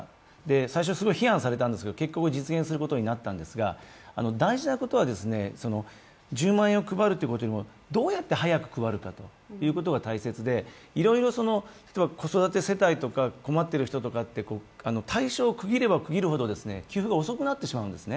最初、すごい批判されたんですけど、結局、実現することになったんですが、大事なことは１０万円を配ることよりも、どうやって早く配るかというのが大切でいろいろ、子育て世帯とか困ってる人とかって対象を区切れば区切るほど給付が遅くなってしまうんですね。